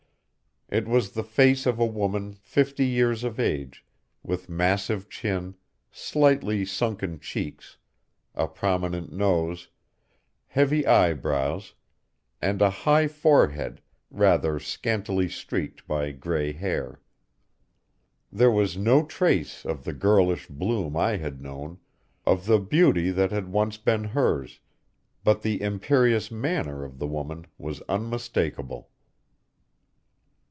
It was the face of a woman fifty years of age, with massive chin, slightly sunken cheeks, a prominent nose, heavy eyebrows, and a high forehead rather scantily streaked by gray hair. There was no trace of the girlish bloom I had known, of the beauty that once had been hers, but the imperious manner of the woman was unmistakable.